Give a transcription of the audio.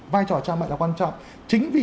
vai trò cha mẹ là quan trọng chính vì